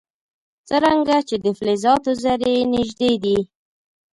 څرنګه چې د فلزاتو ذرې نژدې دي.